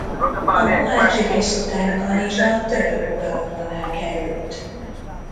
A mohácsi vész után Kanizsa török uralom alá került.